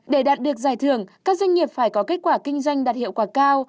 để đạt được giải thưởng các doanh nghiệp phải có kết quả kinh doanh đạt hiệu quả cao